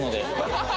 ハハハハ！